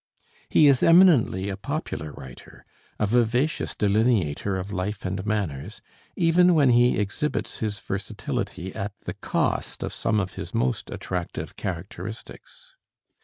He is eminently a popular writer, a vivacious delineator of life and manners, even when he exhibits his versatility at the cost of some of his most attractive characteristics.